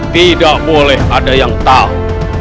tidak boleh ada yang tahu